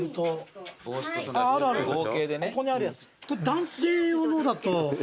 男性用のだと。